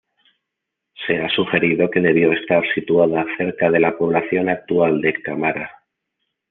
Se ha sugerido que debió estar situada cerca de la población actual de Kamara.